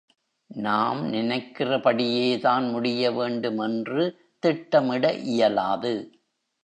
நாம் நினைக்கிறபடியே தான் முடியவேண்டும் என்று திட்டமிட இயலாது.